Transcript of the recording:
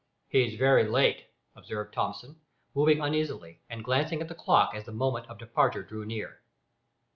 "He's very late," observed Thomson, moving uneasily, and glancing at the clock as the moment of departure drew near.